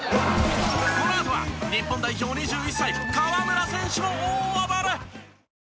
このあとは日本代表２１歳河村選手も大暴れ！